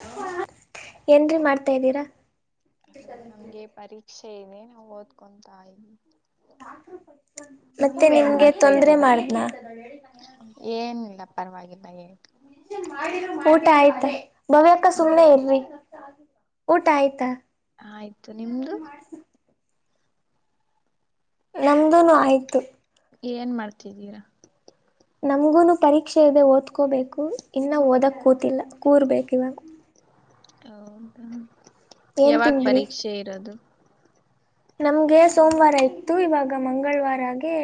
Hello ಏನ್ರೀ ಮಾಡ್ತಾ ಇದ್ದೀರಾ? ಅದು ನಮ್ಗೆ ಪರೀಕ್ಷೆ ಇದೇ, ನಾವು ಓದ್ಕೊತಾ, ಇದ್ದಿವಿ. [inaudible] ಮತ್ತೆ ನೀವು ಏನ್ ನಿಮ್ಗೆ ಮಾಡ್ತಾ ತೊಂದ್ರೆ ಇದ್ದೀರಾ? [inaudible] ಮಾಡ್ದ್ನಾ ಏನಿಲ್ಲ ಪರವಾಗಿಲ್ಲ ಹೇಳಿ? [unintelligible] ಊಟ ಆಯ್ತಾ? ಭವ್ಯಕ್ಕ, ಸುಮ್ನೆ ಇರಿ, ಊಟ ಆಯ್ತಾ? [unintelligible] ಆಯ್ತು ನಿಮ್ದು? [unintelligible] ನಮ್ದುನು, ಆಯ್ತು. [inaudible] ಏನ್ ಮಾಡ್ತಿದ್ದೀರಾ? [inaudible] ನಮ್ಗುನು ಪರೀಕ್ಷೆ ಇದೆ ಓದ್ಕೋಬೇಕು. ಇನ್ನ ಓದಕ್ ಕೂತಿಲ್ಲ ಕೂರ್ಬೇಕು ಇವಾಗ. [inaudible] ಹೌದಾ! ಏನ್ ಯಾವಾಗ ತಿಂದ್ರಿ ಪರೀಕ್ಷೆ ಇರೋದು? [inaudible] ನಮ್ಗೆ ಸೋಮವಾರ, ಇತ್ತು ಇವಾಗ ಮಂಗಳವಾರಾಗೆ,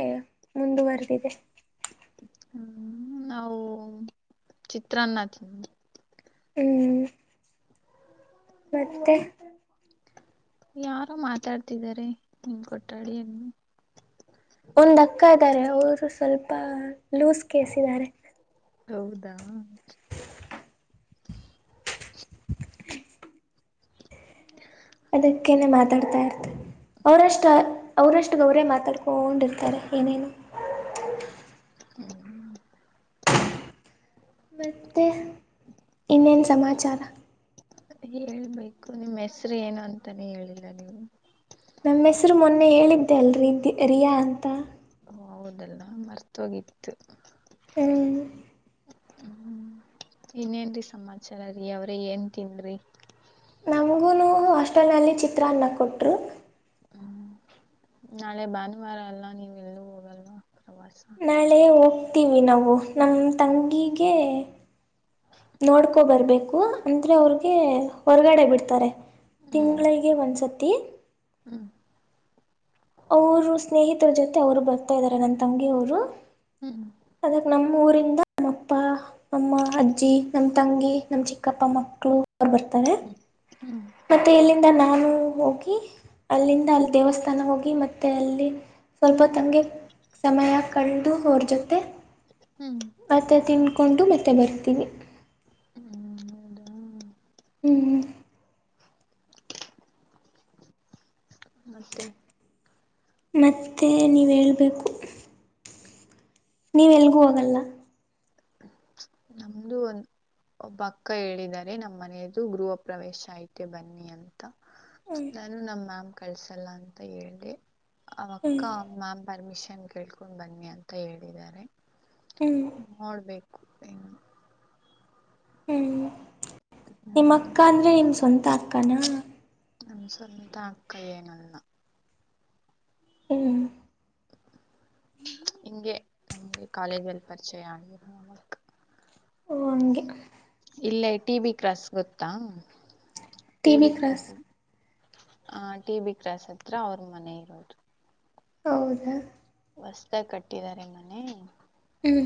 ಮುಂದುವರೆದಿದೆ! [inaudible] ಹ್ಮ, ನಾವು ಚಿತ್ರಾನ್ನ ತಿಂದ್ವಿ. [unintelligible] ಹ್ಮ್. [inaudible] ಮತ್ತೆ? [unintelligible] ಯಾರೋ? ಮಾತಾಡ್ತಿದ್ದಾರೆ, ನೀನು, ಗೊತ್ತಾಗ್ಲಿಅನ್ನು. [inaudible] ಒಂದು, ಅಕ್ಕ ಇದ್ದಾರೆ! ಅವರು ಸ್ವಲ್ಪ ಲೂಸ್ ಕೇಸ್, ಇದ್ದಾರೆ. [unintelligible] ಹೌದಾ? [unintelligible] ಅದಕ್ಕನೆ, ಮಾತಾಡ್ತಾ ಇರ್ತಾರೆ? ಅವರಿಷ್ಟ ಅವರಿಷ್ಟ. [unintelligible] ಅವರಿಗೆ, ಅವರೇ ಮಾತಾಡ್ಕೊಂಡಿರ್ತಾರೆ, ಏನೇನೋ? [inaudible] ಹ್ಮ್ಮ್. [unintelligible] ಮತ್ತೆ, ಇನ್ನೇನು ಸಮಾಚಾರ? [inaudible] ಹೇಳ್ಬೇಕು, ನಿಮ್ಮ್ ಹೆಸರು ಏನೂ, ಅಂತಾನೇ ಹೇಳಿಲ್ಲ ನೀವು? [inaudible] ನಮ್ಮ ಹೆಸರು ಮೊನ್ನೆ ಹೇಳಿದ್ದೆ ಅಲ್ರಿ ರಿಯಾ ಅಂತಾ? [inaudible] ಹೌದಲ್ಲ, ಮರ್ತೋಗಿತ್ತು. ಹ್ಞೂ [unintelligible] ಹ್ಮ, ಏನ್ರೀ ಸಮಾಚಾರ! ರಿಯಾ, ಅವರೇ, ಏನ್ ತಿಂದ್ರಿ? [inaudible] ನಮಗೂ, ಆಷ್ಟಲ್ನಲ್ಲಿ, ಚಿತ್ರಾನ್ನ ಕೊಟ್ಟರು. [inaudible] ಹ್ಮ್ ನಾಳೆ ಭಾನುವಾರ ಅಲ್ಲ ನೀವು ಎಲ್ಲೂ ಹೋಗಲ್ವಾ ಪ್ರವಾಸ? [inaudible] ನಾಳೆ ಹೋಗ್ತೀವಿ ನಾವು ನಮ್ಮ ತಂಗಿಗೆ! [inaudible] ನೋಡ್ಕೊಂಡು, ಬರ್ಬೇಕು! ಅಂದ್ರೆ ಅವ್ರಗೆ ಹೊರ್ಗಡೆ ಬಿಡ್ತಾರೆ. [inaudible] ತಿಂಗಳಿಗೆ, ಒಂದ್ಸತಿ. [inaudible] ಹ್ಮ. [inaudible] ಅವರು, ಸ್ನೇಹಿತರ ಜೊತೆ ಅವರು ಬರುತ್ತಾ, ಇದ್ದಾರೆ ನನ್ನ ತಂಗಿಯ ಅವರು. ಹ್ಮ್ [inaudible] ಅವರು, ನಮ್ಮ ಊರಿಂದ ನಮ್ಮಪ್ಪ. [inaudible] ಅಮ್ಮ, ಅಜ್ಜಿ, ನಮ್ಮ, ತಂಗಿ, ನಮ್, ಚಿಕ್ಕಪ್ಪ ಮಕ್ಕಳು, ಅವರು, ಬರ್ತಾರೆ. [inaudible] ಹ್ಮ್ಮ್, ಹು. [inaudible] ಮತ್ತೆ, ಇಲ್ಲಿಂದ, ನಾನು ಹೋಗಿ! ಅಲ್ಲಿಂದ, ಅಲ್ಲಿ ದೇವಸ್ಥಾನ, ಹೋಗಿ, ಮತ್ತೆ, ಅಲ್ಲಿ. [unintelligible] ಸ್ವಲ್ಪ, ಹಾಂಗೆ, ಸಮಯ, ಕಳೆದು ಅವರ ಜೊತೆ? [unintelligible] ಹ್ಮ್. [inaudible] ಮತ್ತೆ ತಿನ್ಕೊಂಡು! ಮತ್ತೆ ಬರ್ತೀವಿ. [inaudible] ಹ್ಮ, ಹೌದ! [inaudible] ಹ್ಮ್. [inaudible] ಮತ್ತೆ? [inaudible] ಮತ್ತೆ, ನೀವು ಹೇಳಬೇಕು? [inaudible] ನೀವ್ ಎಲ್ಗೂ ಹೋಗಲ್ಲ? [inaudible] ಛೂ, ನಮ್ದು, ಒಂದು? [inaudible] ಒಬ್ಬ, ಅಕ್ಕ ಹೇಳಿದಿದ್ದಾರೆ? ನಮ್ಧು, ಮನೆಯದು ಗೃಹ, ಪ್ರವೇಶ ಐತೆ ಬನ್ನಿ ಅಂತ. ಹ್ಞೂ [inaudible] ನಾನು ನಮ ಮ್ಯಾಮ್ ಕಳ್ಸಲ್ಲ ಅಂತ ಹೇಳೆ ಹ್ಞೂ ಅವಕ್ಕ ಮ್ಯಾಮ್ ಪರ್ಮಿಷನ್ ಕೇಳ್ಕೊಂಡ್ ಬನ್ನಿ ಅಂತ ಹೇಳಿದ್ದಾರೆ ಹ್ಮ್ ನೋಡ್ಬೇಕು ಹ [unintelligible] ಹ್ಮ್ ನಿಮ್ಮ ಹ್ಮ್ ಅಕ್ಕ ಅಂದ್ರೆ ನಿಮ್ ಸ್ವಂತ ಅಕ್ಕಾನ ನಮ ಸ್ವಂತ ಅಕ್ಕ ಏನಲ್ಲ ಹ್ಮ ಹಿಂಗೆ ನಮ್ಗೆ ಕಾಲೇಜಲ್ಲಿ ಪರಿಚಯ ಆಗಿರ ಅಕ್ಕ ಹೊ ಹಂಗೆ ಇಲ್ಲೇ ಟಿ ಬಿ ಕ್ರಾಸ್ ಗೊತ್ತಾ ಟಿ ಬಿ ಕ್ರಾಸ್ ಆ ಟಿ ಬಿ ಕ್ರಾಸ್ ಹತ್ರ ಅವ್ರ ಮನೆ ಇರೋದು ಹೌದಾ ಹೊಸದಾಗಿ ಕಟ್ಟಿದ್ದಾರೆ ಮನೆ ಹ್ಮ್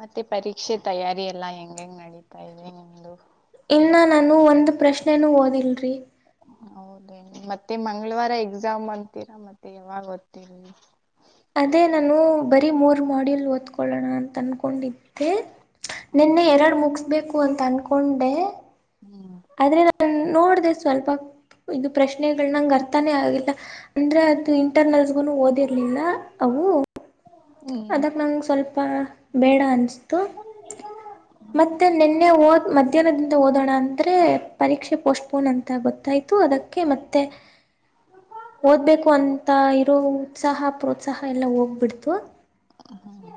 ಮತ್ತೆ ಪರೀಕ್ಷೆ ತಯಾರಿ ಎಲ್ಲಾ ಹೆಂಗ ಹೆಂಗ್ ನಡೀತಾ ಇದೆ ನಿಮ್ದು ಇನ್ನು ನಾನು ಒಂದು ಪ್ರಶ್ನೆನೂ ಓದಿಲ್ರಿ ಹೌದೇ ಮತ್ತೆ ಮಂಗಳವಾರ ಎಕ್ಸಾಮ್ ಅಂತೀರಾ ಮತ್ತೆ ಯಾವಾಗ ಓತೀರಿ ಅದೇ ನಾನು ಬರೀ ಮೂರ್ ಮಾಡ್ಯೂಲ್ ಓದ್ಕೊಳ್ಳೋಣ ಅಂತ ಅನ್ಕೋ ಕೊಂಡಿದ್ದೆ ಹ್ಮ್ ನಿನ್ನೆ ಎರಡು ಮುಗಿಸಬೇಕು ಅಂತ ಅನ್ಕೊಂಡೆ ಹ್ಮ್ ಆದ್ರೆ ನಾನ್ ನೋಡ್ದ ಸ್ವಲ್ಪ ಇದು ಪ್ರಶ್ನೆಗಳ ನಂಗ ಅರ್ಥಾನೇ ಆಗಿಲ್ಲ ಅಂದ್ರೆ ಅದು ಇಂಟರ್ನಲ್ಸ್ಗು ಓದಿರ್ಲಿಲ್ಲ ಅವು ಹ್ಮ್ ಅದಕ್ ನಂಗ್ ಸ್ವಲ್ಪ ಲ್ಪ ಬೇಡ ಅನ್ನಿಸ್ತು ಮತ್ತೆ ನಿನ್ನೆ ಓದ್ ಮಧ್ಯಾಹ್ನದಿಂದ ಓದೋಣ ಅಂತ ಅಂದರೆ ಪರೀಕ್ಷೆ ಪೋಸ್ಟ್ ಪೋನ್ ಅಂತ ಗೊತ್ತಾಯ್ತು ಅದಕ್ಕೆ ಮತ್ತೆ ಹಕ [unintelligible] ಓದ್ಬೇಕು ಅಂತ ಇರೋ ಉತ್ಸಾಹ ಪ್ರೋತ್ಸಾಹ ಎಲ್ಲ ಹೋಗ್ಬಿಡ್ತು ಹಾ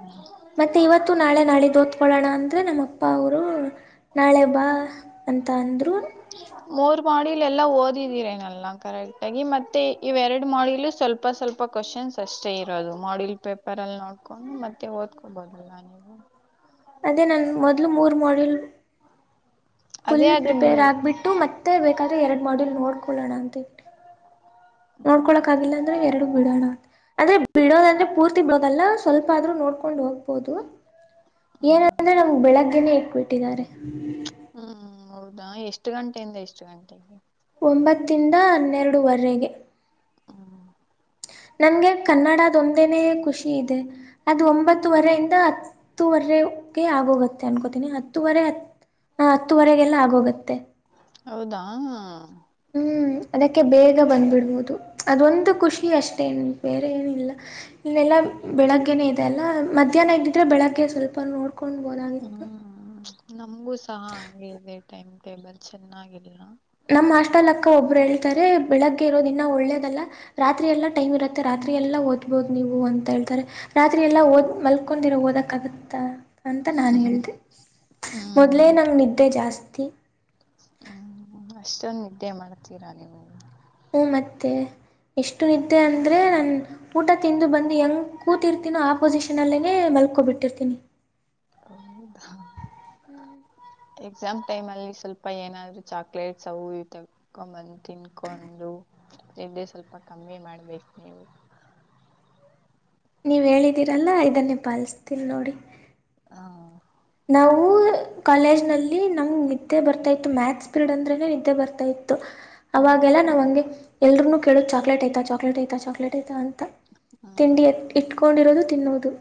ಮತ್ತೆ ಇವತ್ತು ನಾಳೆ ನಾಡಿದು ಓದಕೊಳ್ಳೋಣ ಅಂದ್ರೆ ನಮ್ಮ ಅಪ್ಪ ಅವರು ನಾಳೆ ಬಾ ಅಂತ ಅಂದ್ರು ಮೂರ್ ಮಾಡಿಲ್ ಎಲ್ಲ ಓದಿದೀರೇನಲ್ಲ ಕರೆಕ್ಟ್ ಆಗಿ ಮತ್ತೆ ಇವೆರಡು ಮಾಡಿಲು ಸ್ವಲ್ಪ ಸ್ವಲ್ಪ ಸ್ವಲ್ಪ ಕ್ವಶನ್ಸ್ ಅಷ್ಟೇ ಇರೋದು ಮಾಡಿಲ್ ಪೇಪರ್ ಅಲ್ಲಿ ನೋಡ್ಕೊಂಡು ಮತ್ತೆ ಓದ್ಕೋಬಹುದು ಅಲ್ಲ ಹ [inaudible] ಅದೇ ನಾನ ಮೊದ್ಲು ಮೂರು ಮಾಡಲ್ ಅದೇ ಫುಲ್ ಅದು ಪ್ರಿಪೇರ್ ನೀವು ಆಗ್ಬಿಟ್ಟು ಮತ್ತೆ ಬೇಕಾದರೆೆ ಎರಡು ಮಾಡಲ್ ನೋಡ್ಕೊಳ್ಳೋಣ ಅಂತ ನೋಡ್ಕೊಳಕ್ ಆಗಿಲ್ಲ ಅಂದ್ರೆ ಎರಡು ಬಿಡೋಣ ಅಂದ್ರೆ ಬಿಡೋದಂದ್ರೆ ಪೂರ್ತಿ ಬಿಡೋದಲ್ಲ ಸ್ವಲ್ಪ ಆದ್ರೂ ನೋಡ್ಕೊಂಡ್ ಹೋಗ್ಬೋದು ಹ್ಮ್ ಏನಂದ್ರೆ ನಮ್ಗೆ ಬೆಳಗ್ಗೆನೆೇ ಇಟ್ಬಿಟ್ಟಿದ್ದಾರೆ ಹ್ಮ್ ಹೌದಾ ಎಷ್ಟು ಗಂಟೆಯಿಂದ ಎಷ್ಟು ಗಂಟೆಗೆ ಒಂಬತ್ತಿಂದ ಹನ್ನೆರಡುವರೆಗೆ ಹ್ಮ್ ನನ್ಗೆ ಕನ್ನಡದೊಂದೇನೇ ಖುಷಿ ಇದೆ ಅದು ಒಂಬತ್ತುವರೆ ಇಂದ ಹತ್ತುವರೆಗೆ ಆಗೋಗುತ್ತೆ ಅನ್ಕೋತನಿ ಹತ್ತುವರೆ ಹ ಹತ್ತುವರೆಗೆಲ್ಲ ಆಗೋಗುತ್ತೆ ಹೌದಾ ಹ್ಮ್ ಅದಕ್ಕೆ ಬೇಗ ಬಂದ್ಬಿಡ್ಬಹದು ಅದೊಂದು ಖುಷಿ ಅಷ್ಟೇನ್ ಬೇರೆ ಏನಿಲ್ಲ ಇಲ್ಲೆಲ್ಲಾ ಬೆಳಗ್ಗೆನೆೇ ಇದೆ ಅಲ್ಲ ಮಧ್ಯಾಹ್ನ ಇದ್ದಿದ್ರೆ ಬೆಳಗ್ಗೆ ಸ್ವಲ್ಪ ನೋಡ್ಕೊಂಡ್ಬೋದಾಗಿತ್ತು ಹ್ಮ್ ನಮಗೂ ಸಹ ಹಂಗೆ ಇದೆ ಟೈಮ್ ಟೇಬಲ್ ಚೆನ್ನಾಗಿಲ್ಲ ನಮ್ಮ್ ಅಸ್ಲ್ಕ್ಕ ಒಬ್ರು ಹೇಳ್ತಾರೆ ಬೆಳಗ್ಗೆ ಇರೋದ ಇನ್ನ ಒಳ್ಳೇದಲ್ಲ ರಾತ್ರಿ ಎಲ್ಲ ಟೈಮ್ ಇರುತ್ತೆ ರಾತ್ರಿಯಲ್ಲ ಓದ್ಬೋದು ನೀವು ಅಂತ ಹೇಳ್ತಾರೆ ರಾತ್ರಿ ಎಲ್ಲಾ ಓದ್ ಮಲ್ಕೊಂಡಿರ ಓದಕ್ ಆಗುತ್ತ ಅಂತ ನಾನು ಹೇಳಿದೆ ಹ್ಮ್ ಮೊದಲೇ ನಂಗೆ ನಿದ್ದೆ ಜಾಸ್ತಿ ಹ್ಮ್ ಅಷ್ಟೊನ್ ನಿದ್ದೆ ಮಾಡ್ತೀರಾ ನೀವು ಹ್ಞ ಮತ್ತೆ ಎಷ್ಟು ನಿದ್ದೆ ಅಂದರೆೆ ನಾನ್ ಊಟ ತಿಂದು ಬಂದು ಹೆಂಗೆ ಕೂತಿರ್ತೀನೋ ಆಪೋಸಿಷನಲ್ಲೇನೆ ಮಲ್ಕೊಬಿಟ್ಟಿರ್ತೀನಿ ಹೌಧಾ ಎಕ್ಸಾಮ್ ಟೈಮ್ ಅಲ್ಲಿ ಸ್ವಲ್ಪ ಏನಾದ್ರು ಚಾಕ್ಲೇಟ್ಸ್ ಅವು ಇರ್ತವ್ ಕಕೊಂಬಂದು ತಿನ್ಕೊಂಡು ತಿಂಡಿ ಸ್ವಲ್ಪ ಕಮ್ಮಿ ಮಾಡ್ಬೇಕು ನೀವು ನೀವು ಹೇಳಿದ್ದೀರಲ್ಲ ಇದನ್ನೇ ಪಾಲಿಸ್ತೀನಿ ನೋಡಿ ಹಾ ನಾವು ಕಾಲೇಜ್ ನಲ್ಲಿ ನಮಗೆ ನಿದ್ದೆ ಬರ್ತಾ ಇತ್ತು ಮ್ಯಾಥ್ಸ್ ಪಿರೀಡ್ ಅಂದ್ರೆನೆ ನಿದ್ದೆ ಬರ್ತಾ ಇತ್ತು ಅವಾಗೆಲ್ಲ ನಾವನ್ಗೆ ಎಲ್ರುೂ ಕೇಳುದು ಚಾಕ್ಲಟ್ ಐತಾ ಚಾಕ್ಲೇಟ್ ಐತ ಚಾಕ್ಲೇಟ್ ಐತ ಅ ಹ್ಮ್ ತಿಂಡಿ ಎ ಇಟ್ಕೊಂಡಿರೋದು ತಿನ್ನೋದು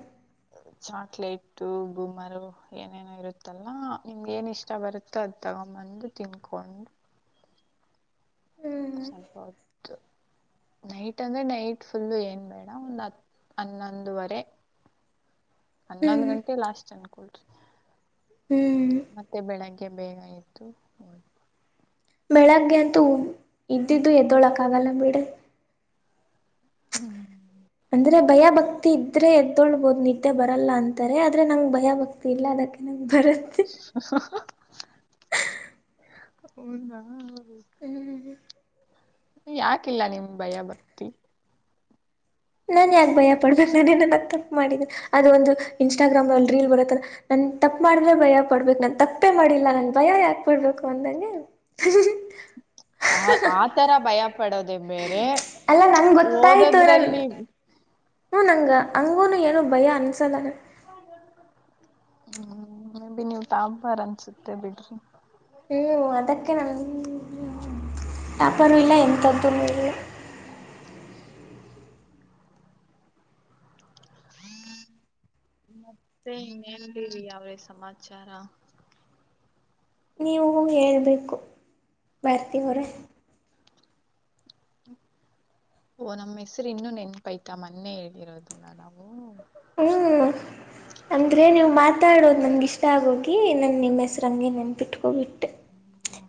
ಚಾಕ್ಲೇಟು ಬುಮರು ಏನೇನೋ ಇರುತ್ತಲ್ಲಾ ನಿಮ್ ಏನ್ ಇಷ್ಟ ಬರುತ್ತೆ ತ್ತ ತಗೊಂಬಂದು ತಿನ್ಕೊಂಡು ಹ್ಮ್ ಸ್ವಲ್ಪ ಹೊತ್ತು ನೈಟ್ ಅಂದ್ರೆ ನೈಟ್ ಫುಲ್ಲ ಏನ್ ಬೇಡ ಒಂದು ಹತ್ ಹನ್ನೊಂದುವರೆ [unintelligible] [inaudible] ಹನ್ನೊಂದ್ ಗಂಟೆ ಲಾಸ್ಟ್ ಅನ್ಕೊಳ್ರಿ ಹ್ಮ್ ಮ ಮತ್ತೆ ಬೆಳಿಗ್ಗೆ ಬೇಗ ಎದ್ದು ಓದು ಬೆಳಗ್ಗೆ ಅಂತೂ ಇದ್ದಿದ್ದು ಎದ್ದಳಕ್ಕ ಆಗಲ್ಲ ಬಿಡೆ ಹ್ಮ ಅಂದ್ರೆ ಭಯ ಭಕ್ತಿ ಇದ್ರೆ ಎದ್ದೊಳ್ಬೋದು ನಿದ್ದೆ ಬರಲ್ಲ ಅಂತಾರೆ ಆದ್ರೆ ನಂಗ್ ಭಯ ಭಕ್ತಿ ಇಲ್ಲ ಅದಕ್ಕೆ ನಂಗೆ ಬರುತ್ತೆ ಹ ಹ ಹ್ ಹ ಹೌಧಾ ಹ್ಮ್ ಯಾಕಿಲ್ಲ ನಿಮ್ ಗೇ ಭಯ ಭಕ್ತಿ ನಾನ್ ಯಾಕೆ ಭಯ ಪಡ್ಬೇಕೇು ನಾನ್ ಏನನ್ನ ತಪ್ಪ ಮಾಡಿದ್ದನೆ ಅದು ಒಂದು ಇನ್ಸ್ಟಾಗ್ರಾಮ್ ನಲ್ಲಿ ರೀಲ್ ಬರುತ್ ಅಲ್ಲ ನನ್ ತಪ್ಪ ಮಾಡಿದ್ರೆ ಭಯ ಪಡ್ಬೇಕು ನನ್ ತಪ್ಪೇ ಮಾಡಿಲ್ಲ ನನ್ ಭಯ ಯಾಕೆ ಪಡ್ಬೇಕು ಅಂದಂಗೆ [inaudible] ಆ ಆ ತರ ಭಯ ಪಡೋದೆ ಬೇರೆ ಅಲ್ಲ ನಂಗೆ ಓದದ್ರಲ್ಲಿ ಹ್ಮ [inaudible] ಹ್ಞಂ ನಂಗ ಹಂಗೂ ಏನು ಭಯ ಅನ್ಸೋಲ್ಲಲ್ಲ ಹ್ಮ್ ಮೇಬಿ ನೀವ ಟಾಪರ್ ಪರ್ ಅನ್ಸುತ್ತೆ ಬಿಡ್ರಿ ಹ್ಮಞೂ ಅದಕ್ಕೆ ನನ್ನ ಟಾಪರ್ ಇಲ್ಲ ಎಂಥದ್ದ ಇಲ್ಲ [unintelligible] ಹ್ಮ [inaudible] ಮತ್ತೆ ಇನ್ನೇನ್ ಅಂತೀರಿ ಯಾವುದೇ ಸಮಾಚಾರ ನೀವು ಹೇಳೇಬೇಕು ಬರ್ತೀವ್ರ ಓ ನಮ್ಮ ಹೆಸರು ಇನ್ನೂ ನೆನಪಯ್ತಾ ಮೊನ್ನೆ ಹೇದಿರೋದಲ್ಲ ನಾವು ಹ್ಮ್ ಅಂದ್ರೆ ನೀವು ಮಾತಾಡೋದು ನಂಗ್ ಇಷ್ಟ ಆಗೋಗಿ ನನ್ ನಿಮ್ಮ ಹೆಸ್ರ ಹಂಗೆ ನೆನ್ಪಿಟ್ಕೊ ಬಿಟ್ಟೆ.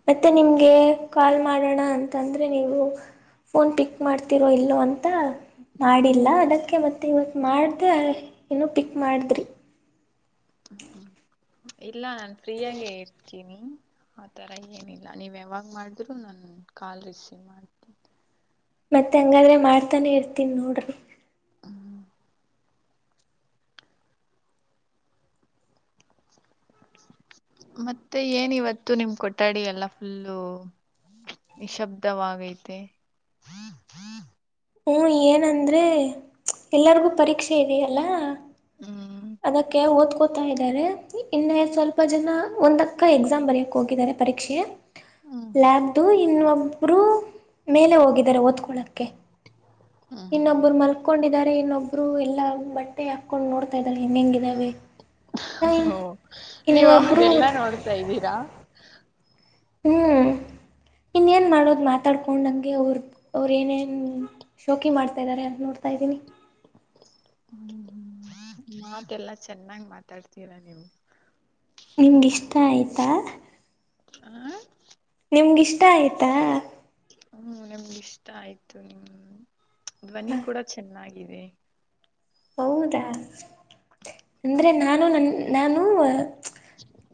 ಮತ್ತೆ ನಿಮ್ಗೆ ಕಾಲ್ ಮಾಡಣ ಅಂತಂದ್ರೆ ನೀವು ಫೋನ್ ಪಿಕ್ ಮಾಡ್ತೀ ಇಲ್ಲೋ ಅಂತ ಮಾಡಿಲ್ಲ ಅದಕ್ಕೆ ಮತ್ತ ಮತ್ತು ಇವತ್ತ ಮಾಡ್ದೇ ಏನೋ ಪಿಕ್ ಮಾಡದ್ರಿ. ಇಲ್ಲ ನಾನ್ ಫ್ರೀಯಾಗೆ ಇರ್ ಇರ್ತೀನಿ ಆತರ ಏನಿಲ್ಲ ನೀವ್ ಯಾವಾಗ ಮಾಡುದ್ರು ನಾನ್ ಕಾಲ್ ರಿಸೀವ್ ಮಾಡ ಮತ್ ಹಂಗಾದ್ರೆ ಮಾಡ್ತಾನೆ ಇರ್ತೀನಿ ನೋಡ್ರಿ. ಹ್ಮ [inaudible] ಮತ್ತೆ ಏನ್ ಇವತ್ತು ನಿಮ್ ಕೊಠಡಿ ಎಲ್ಲ ಫುಲ್ಲು ನಿಶಬ್ದವಾಗೈತೆ. ಹೂ ಏನಂದ್ರೆ ಎಲ್ಲರ್ಗೂ ಪರೀಕ್ಷೆ ಇದೆಯಲ್ಲಾ ಹ್ಮ್ ಅದಕ್ಕೆ ಓದ್ಕೋತಾ ಇದ್ದಾರೆ ಇನ್ನೇ ಸ್ವಲ್ಪ ಜನ ಒಂದಕ್ಕ ಎಕ್ಸಾಮ ಬರಯಕ್ ಹೋಗಿದ್ದಾರೆ. ಪರೀಕ್ಷೆ ಹ್ಮ್ ಲ್ಯಾಬ್ದು ಇನ್ನೊಬ್ಬ್ರು ಮೇಲೆ ಹೋಗಿದಾರೆ ಓದ್ಕೊಳಕ್ಕೆ ಹ್ಮ್ ಇನ್ನೊಬ್ಬರು ಹ್ಮ್ ಮಲ್ ಕೊಂಡಿದ್ದಾರೆ ಇನ್ನೊಬ್ರು ಎಲ್ಲಾ ಬಟ್ಟೆ ಹಾಕೊಂಡ್ ನೋಡ್ಕೋ ಇದಾಳೆ ಹೆಂಗಿದಾವೆ ಹಾ ಇನ್ನೊಬ್ರು ಬರ್ತಾ ಇದ್ದೀರಾ? ಹ್ಮ ಇನ್ನೇನ ಮಾಡೋದ ಮಾತಾಡ್ಕೊಂಡ ಹಂಗೆ ಅವ್ರ ಅವ್ರ ಏನೇನು ಶೋಕಿ ಮಾಡ್ತಾ ಇದ್ದಾರೆ ಅಂತ ನೋಡ್ತಾ ಇದೀನಿ. ಹ್ಮ ಮಾತ್ ಎಲ್ಲಾ ಚೆನ್ನಾಗ್ ಮಾತಾಡ್ತೀರಾ ನೀವು. ನಿಮಗಿಷ್ಟಾ ಆಯ್ತಾ? ಆ ನಿಮ್ಗಿಷ್ಟಾ ಆಯ್ತಾ? ಹ್ಮ್ ನಮ್ಗ ಇಷ್ಟ ಆಯ್ತು ನಿಮ್ಮ ಧ್ವನಿ ಕೂಡ ಚೆನ್ನಾಗಿದೆ. ಹೌದಾ ಅಂದ್ರೆ ನಾನು ನನ್ ನಾನು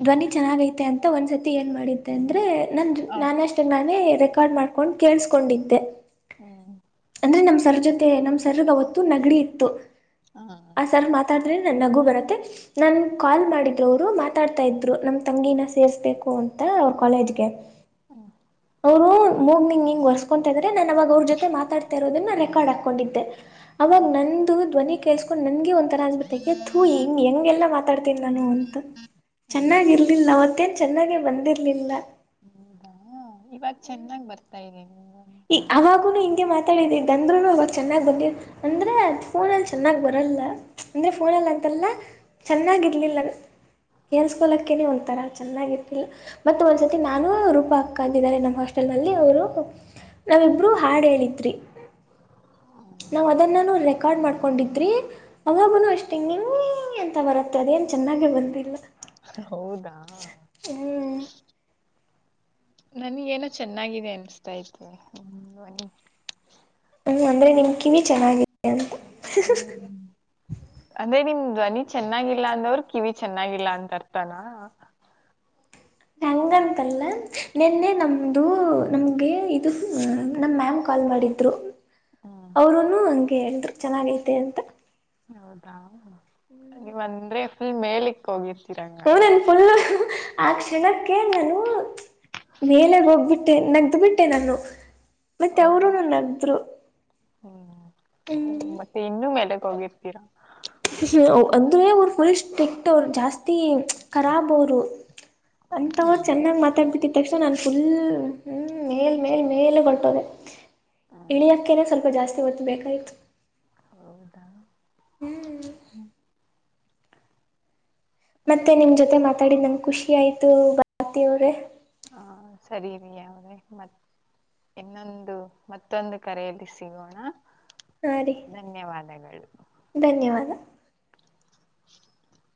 ಧ್ವನಿ ಚೆನ್ನಾಗ ಐತೆ ಅಂತ ಒಂದ್ಸತಿ ಏನ್ ಮಾಡಿದ್ದೆ ಅಂದ್ರೆ ನನ್ ಹ ನಾನ ಅಷ್ಟ ನಾನೇ ರೆಕಾರ್ಡ್ ಮಾಡ್ಕೊಂಡ ಕೇಳ್ಸ್ಕೊಂಡಿದ್ದೆ. ಹ್ಮ್ ಅಂದ್ರೆ ನಮ್ಮ ಸರ ಜೊತೆ ನಮ್ಮ ಸರ್ಗ ಅವತ್ತು ನೆಗಡಿ ಇತ್ತು. ಹಾ ಆ ಸರ್ ಮಾತಾಡದ್ರೆ ನನ್ ನಗು ಬರುತ್ತೆ ನಾನ ಕಾಲ್ ಮಾಡಿದ್ರ ಅವ್ರು ಮಾತ್ ಮಾತಾಡ್ತಾ ಇದ್ರು ನಮ್ ತಂಗಿನ ಸೇರ್ಸ್ಬೇಕು ಅಂತ ಅವ್ರ ಕಾಲೇಜ್ಗೆ. ಅವ್ರು ಮೂಗ ಹಿಂಗ್ ಹಿಂಗ ವರ್ಸ್ಕೊಂತಾ ಇದಾರೆ ನಾನ್ ಅವಾಗ ಅವ್ರ ಜೊತೆ ಮಾತಾಡ್ತಾ ಇರೋದನ್ನ ರೆಕಾರ್ಡ್ ಆತ ಕೊಂಡಿದ್ದೆ ಅವಾಗ ಹ ನಂದು ಧ್ವನಿ ಕೇಳಸ್ಕೊಂಡು ನನ್ಗೆ ಒಂದು ಥರ ಅನ್ಬಿಟ್ಟು ಅಯ್ಯ ಥು ಹೆಂಗ್ ಹೆಂಗೆಲ್ಲ ಮಾತಾಡ್ತೀನಿ ನಾನು ಅಂತ ಹ ಚೆನ್ನಾಗಿ ಇರ್ಲಿಲ್ಲ ಅವತ್ತೇನ್ ಚೆನ್ನಾಗೆ ಬಂದಿರ್ಲಿಲ್ಲ. ಹೌದಾ ಇವಾಗ ಚೆನ್ನಾಗ್ ಬರ್ತಾ ಇದೇ ನಿಮ್ಮ್ ಈ ಅವಾಗೂನು ಹಿಂಗೆ ಮಾತಾಡಿದಿ ಅಂದ್ರುನು ಅವಾಗ ಚೆನ್ನಾಗ್ ಬಂದ ಅಂದ್ರೆ ಫೋನಲ್ಲಿ ಚೆನ್ನಾಗಿ ಬರಲ್ಲ ಅಂದ್ರೆ ಫೋನಲ್ಲ ಅಂತೆಲ್ಲ ಚೆನ್ನಾಗಿರಲಿಲ್ಲ. ಕೇಳಿಸ್ಕೊಳ್ಳಕ್ಕೆನೆ ಒಂಥರ ಚೆನ್ನಾಗಿತ್ತ ಇಲ್ಲ್ ಮತ್ತ ಒಂದ್ಸತಿ ನಾನು ರೂಪ ಅಕ್ಕ ಅಂತಿದ್ದಾರೆ ನಮ್ಮ್ ಹಾಸ್ಟೆಲ್ ನಲ್ಲಿ ಅವರು ನಾವಿಬ್ರು ಹಾಡ ಹೇಳಿದ್ರಿ. [unintelligible] ಹೌ ನಾವ್ ಅದನ್ನ ರೆಕಾರ್ಡ್ ಮಾಡ್ಕೊಂಡಿದ್ರಿ ಅವಬನು ಅಷ್ಟಂಗ ನೀ ಅಂತ ಬರುತ್ತೆ ಅದೇನು ಚೆನ್ನಾಗೆ ಬಂದಿಲ್ಲ ಹಾ ಹೌದಾ ಹ್ಮ್ ನನ್ಗ ಏನೋ ಚೆನ್ನಾಗಿದೆ ಅನ್ನಿಸ್ತಾ ಆಯಿತೆ [unintelligible] ಹ್ಮ ಅಂದ್ರೆ ನಿಮ್ ಕಿವಿ ಚೆನ್ನಾಗಾಗಿದೆ ಅಂತ ಹ್ಮ [inaudible] ಅಂದ್ರೆ ನಿಮ್ ಧ್ವನಿ ಚೆನ್ನಾಗಿಲ್ಲ ಅಂದವ್ರ ಕಿವಿ ಚೆನ್ನಾಗಿಲ್ಲ ಅಂತ ಅರ್ಥಾನ ಹೆಂಗಂತಲ್ಲ ನಿನ್ನೆ ನಮ್ದು ನಮ್ಗೆ ಇದು ನಮ್ಮ ಮ್ಯಾಮ್ ಕಾಲ್ ಮಾಡಿದ್ರು ಹ್ಮ್ [unintelligible] ಅವರುನು ಹಂಗೆ ಹೇಳಿದ್ರು ಚೆನ್ನಾಗೈತೆ ಅಂತ ಹೌದಾ ನೀವ ಅಂದ್ರೆ ಫುಲ್ ಮೇಲಿಕ್ ಹೋಗಿರ್ ಹೂ ನನ್ ಫುಲ್ ಹು ಹು ಆ ಕ್ಷಣಕ್ಕೆ ನಾನು ಮೇಲೆ ಹೋಗ್ಬಿಟ್ಟೆ ನಗ್ದಬಿಟ್ಟೆ ನಾನು ಮತ್ತೆ ಓ, ಅವರು ನನ್ನ ನಗ್ರು ಹ್ಮ್ ಹ್ಮ ಮತ್ತೆ ಇನ್ನೂ ಮೇಲೆಗ್ ಹೋಗಿರ್ತೀರಾ ಹ ಅಂದರೆೇ ಅವ ಫುಲಸ್್ಟೆಕ್ ರು ಜಾಸ್ತಿ ಖರಾಬ್ ಅವರು ಅಂತವರು ಹ್ಮ್ ಚೆನ್ನಾಗ್ ಮಾ ತಪಟ್ಟಿದ ತಕ್ಷಣ ನಾನು ಫುಲ್ ಹ್ಮ ಮೇಲ್ ಮೇಲ್ ಮೇಲೆ ಕೊಟ್ಟೋದೆ ಹ್ಮ್, ಇಳಿಿಯಕ್ಕನೆ ಸ್ವಲ್ಪ ಜಾಸ್ತಿ ಹೋತು ಬೇಕಾಗಿತು ಹೌದಾ ಹ್ಮ್ ಮತ್ತೆ ನಿಮ್ ಜೊತೆ ಮಾತಾಡಿದ ನಂಗೆ ಖುಷಿ ಆಯ್ತು ಬತ ಅವ್ರೇ ಹಾ ಸರಿರಿ ಯಾದೆ ಮತ್ತ ಇನ್ನೊಂದು ಮತ್ತೊಂದು ಕರೆಯಲ್ಲಿ ಸಿಗೋಣ ಹಾ ರೀ ಧನ್ಯವಾದಗಳು ಧನ್ಯವಾದ [inaudible]